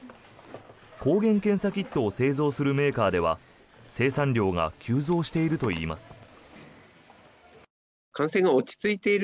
抗原検査キットを製造するメーカーでは生産量が急増しているといいます。